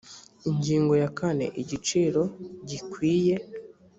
ingingo ya kane igiciro gikwiye